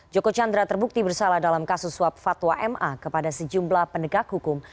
joko chandra terbukti bersalah dalam kasus suap fatwa ma kepada sejumlah penegak hukum